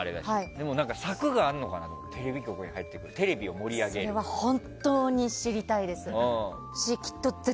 でも、策があるのかなってテレビ局に入ってそれは本当に知りたいです。